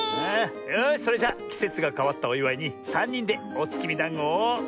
よしそれじゃきせつがかわったおいわいにさんにんでおつきみだんごを。